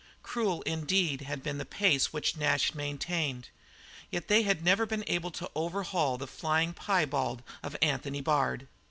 Cruel indeed had been the pace which Nash maintained, yet they had never been able to overhaul the flying piebald of Anthony Bard.